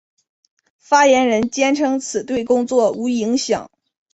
发言人坚称此对工作无影响。